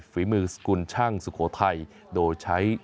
ฝีมือสกุลช่างสุโขทัยโดยใช้